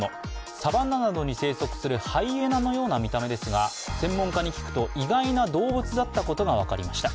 サバンナなどに生息するハイエナのような見た目ですが専門家に聞くと、意外な動物だったことが分かりました。